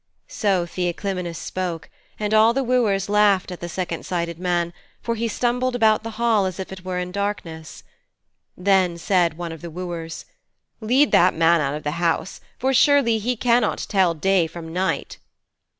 So Theoclymenus spoke, and all the wooers laughed at the second sighted man, for he stumbled about the hall as if it were in darkness. Then said one of the wooers, 'Lead that man out of the house, for surely he cannot tell day from night.'